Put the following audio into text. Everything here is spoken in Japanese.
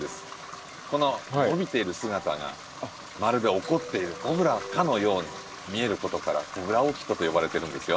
この伸びている姿がまるで怒っているコブラかのように見えることから“コブラオーキッド”と呼ばれてるんですよ。